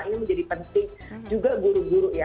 ini menjadi penting juga guru guru ya